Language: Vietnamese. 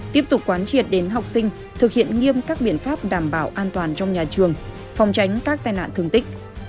tiếp tục quán triệt đến học sinh thực hiện nghiêm các biện pháp đảm bảo an toàn trong nhà trường phòng tránh các tai nạn thương tích